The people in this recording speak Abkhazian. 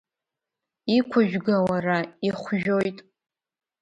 Иқәыжәга, уара, ихәжәоит!